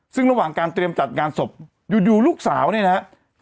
ซึ่งระหว่างการเตรียมจัดงานศพอยู่ลูกสาวเนี่ยนะฮะ